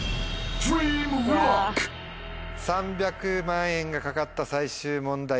３００万円が懸かった最終問題